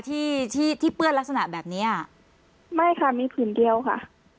ที่ที่เปื้อนลักษณะแบบเนี้ยไม่ค่ะมีผืนเดียวค่ะ